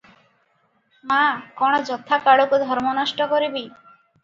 ମା - କଣ ଯଥାକାଳକୁ ଧର୍ମ ନଷ୍ଟ କରିବି?